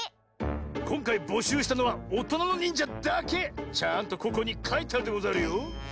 こんかいぼしゅうしたのはおとなのにんじゃだけ！ちゃんとここにかいてあるでござるよ。